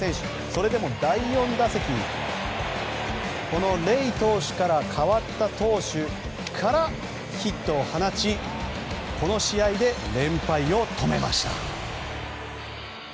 それでも第４打席レイ投手から代わった投手からヒットを放ちこの試合で連敗を止めました。